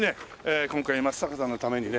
今回松坂さんのためにね。